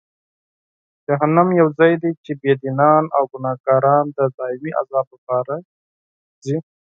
جهنم یو ځای دی چې بېدینان او ګناهکاران د دایمي عذاب لپاره ځي.